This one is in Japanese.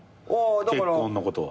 結婚のことは。